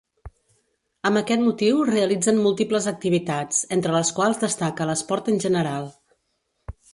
Amb aquest motiu realitzen múltiples activitats, entre les quals destaca l'esport en general.